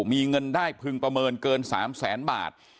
มีเงินได้พึงประเมินเกิน๓แสนบาท